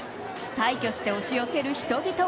大挙して押し寄せる人々。